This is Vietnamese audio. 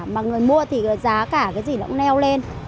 mà người mua thì giá cả cái gì nó cũng neo lên